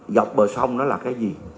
dọc bờ sông nó là cái gì